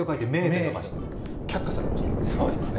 却下されましたよね。